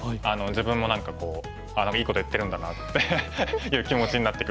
自分も何かいいこと言ってるんだなっていう気持ちになってくるので。